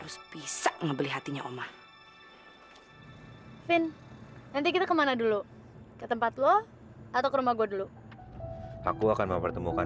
sampai jumpa di video selanjutnya